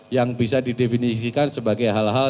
yang bisa didefinisikan sebagai hal hal